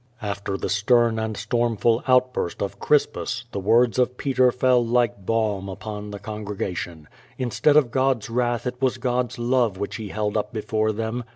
After the stem and stormf ul outburst of Crispus, the words of Peter fell like balm upon the congregation. Instead of God's wrath it was God*s love which he held up before them.